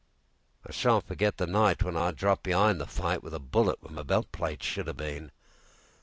I sha'n't forgit the nightWhen I dropped be'ind the fightWith a bullet where my belt plate should 'a' been.